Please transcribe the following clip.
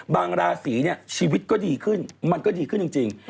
ราศีเนี่ยชีวิตก็ดีขึ้นมันก็ดีขึ้นจริง